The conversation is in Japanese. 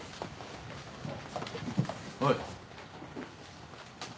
おい。